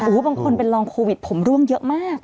บางคนเป็นรองโควิดผมร่วงเยอะมาก